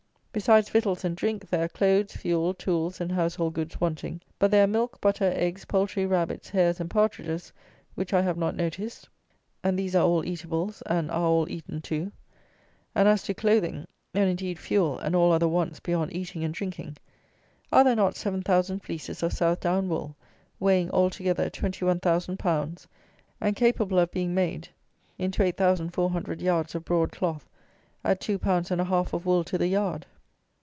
Besides victuals and drink, there are clothes, fuel, tools, and household goods wanting; but there are milk, butter, eggs, poultry, rabbits, hares, and partridges, which I have not noticed, and these are all eatables, and are all eaten too. And as to clothing, and, indeed, fuel and all other wants beyond eating and drinking, are there not 7000 fleeces of Southdown wool, weighing, all together, 21,000 lb., and capable of being made into 8400 yards of broad cloth, at two pounds and a half of wool to the yard?